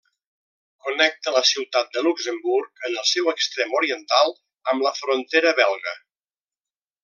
Connecta la ciutat de Luxemburg, en el seu extrem oriental, amb la frontera belga.